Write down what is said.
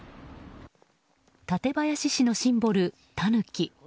館林市のシンボル、タヌキ。